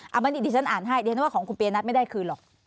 อันนี้ดิฉันอ่านให้ดิฉันว่าของคุณปียนัทไม่ได้คืนหรอก